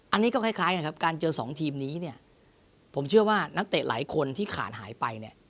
อันนี้ก็คล้ายการเจอสองทีมนี้ผมเชื่อว่านักเตะหลายคนที่ขาดหายไป